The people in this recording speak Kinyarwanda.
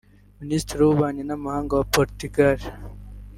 Minisitiri w’Ububanyi n’Amahanga wa Portugal